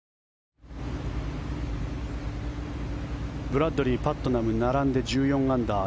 ＪＴブラッドリー、パットナム並んで１４アンダー。